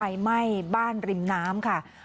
ไหม้บ้านริมน้ำค่ะ